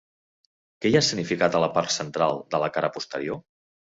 Què hi ha escenificat a la part central de la cara posterior?